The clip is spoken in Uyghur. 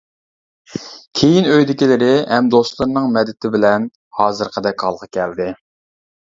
كىيىن ئۆيدىكىلىرى ھەم دوستلىرىنىڭ مەدىتى بىلەن ھازىرقىدەك ھالغا كەلدى.